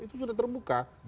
itu sudah terbuka